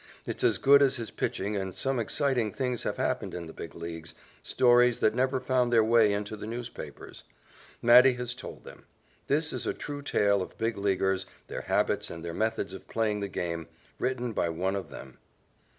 It's as good as his pitching and some exciting things have happened in the Big Leagues, stories that never found their way into the newspapers. Matty has told them. This is a true tale of Big Leaguers, their habits and their methods of playing the game, written by one of them.